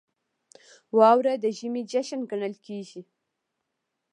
• واوره د ژمي جشن ګڼل کېږي.